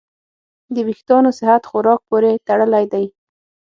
د وېښتیانو صحت خوراک پورې تړلی دی.